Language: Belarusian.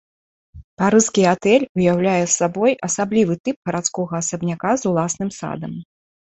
Парыжскі атэль уяўляе сабой асаблівы тып гарадскога асабняка з уласным садам.